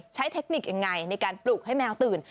เทคนิคยังไงในการปลุกให้แมวตื่น